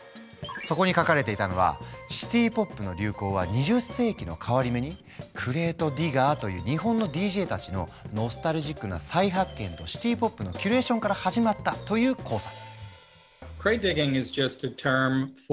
そこに書かれていたのはシティ・ポップの流行は２０世紀の変わり目にクレートディガーという日本のＤＪたちのノスタルジックな再発見とシティ・ポップのキュレーションから始まったという考察。